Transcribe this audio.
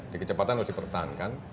di kecepatan harus dipertahankan